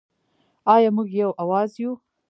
آیا موږ یو اواز یو؟